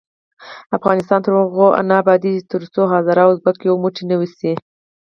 افغانستان تر هغو نه ابادیږي، ترڅو هزاره او ازبک یو موټی نه وي شوي.